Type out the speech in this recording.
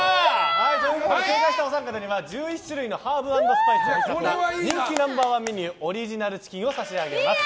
正解したお三方には１１種類のハーブ＆スパイスを使った人気ナンバー１メニューオリジナルチキンを差し上げます。